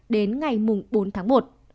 đến ngày bốn tháng một